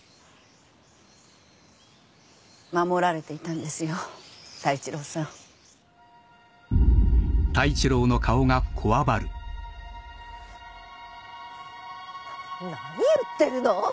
守られていたんですよ太一郎さん。何言ってるの！